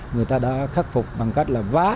người ta đã khắc phục bằng cách